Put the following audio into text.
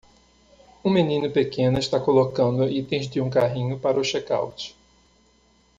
Um menino pequeno está colocando itens de um carrinho para o check-out.